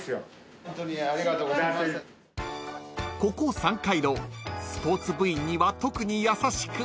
［ここ山海楼スポーツ部員には特に優しく］